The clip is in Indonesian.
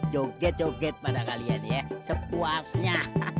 joget joget pada kalian ya sepuasnya